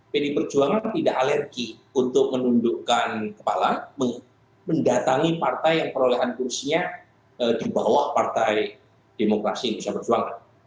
pdi perjuangan tidak alergi untuk menundukkan kepala mendatangi partai yang perolehan kursinya di bawah partai demokrasi indonesia perjuangan